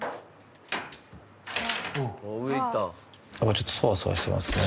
ちょっとそわそわしてますね。